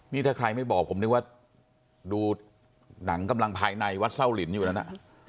นี่ถ้าใครไม่บอกผมนึกว่าดูหนังกำลังภายในวัดเศร้าลินอยู่นั้น